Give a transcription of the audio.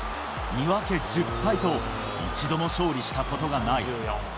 ２分け１０敗と、一度も勝利したことがない。